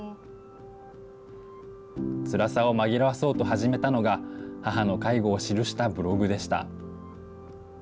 つらさを紛らわそうと始めたのが、母の介護を記したブログでした。